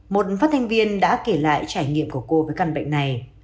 một phát thanh viên đã kể lại trải nghiệm của cô với căn bệnh này